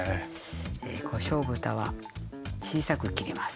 こしょう豚は小さく切ります。